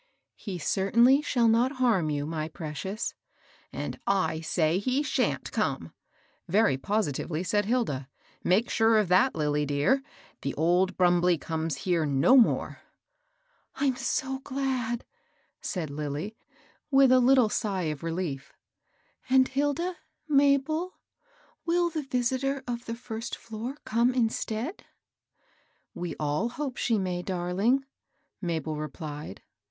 ^^ "He certainly shall not harm you, my prec ious.'* " And I say he %TumH come^'* very posi tively said Hilda. " Make sure of that^ Lill^^ 22 ^^^n^ 838 MABEL JIOSS. dear, — the old Brumbley comes here no more.'* '* I'm so glad I " said Lilly, with a little sigh of relief. "And, Hilda — Mabel — will the visitor of the first floor come instead ?" "We all hope she may, darling," Mabel re plied.